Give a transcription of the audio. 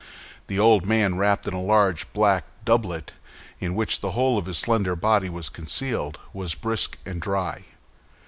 The old man, wrapped in a large black doublet, in which the whole of his slender body was concealed, was brisk and dry.